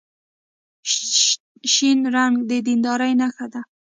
شنه رنګ د دیندارۍ نښه ده.